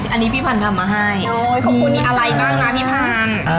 อันนี้พี่พันธุ์ทำมาให้โอ้ยขอบคุณนี่อะไรมากล่ะพี่พันธุ์